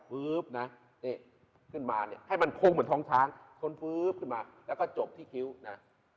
ผื้ตตระขึ้นมานี่ให้มันคงเหมือนท้องซ้างเ฻้นปึ๊ดถึงมาแล้วก็จบทิ้วนะ